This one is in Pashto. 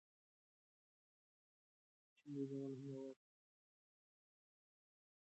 د چین لوی دیوال هم له هوا ښکاري.